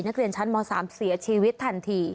นักเรียนชั้นม๓เสียชีวิตทันที